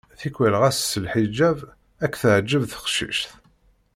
Tikwal ɣas s lḥiǧab ad k-teɛǧeb teqcict.